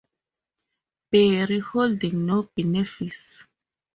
Bury, holding no benefice.